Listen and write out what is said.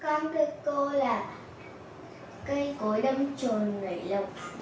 con thích cô là cây cối đâm trồn nảy lộng